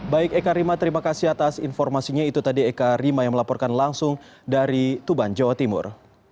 baik eka rima terima kasih atas informasinya itu tadi eka rima yang melaporkan langsung dari tuban jawa timur